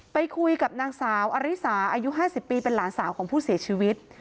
ไปคุยกับนางสาวอริสาอายุ๕๐ปีเป็นหลานสาวของผู้เสียชีวิต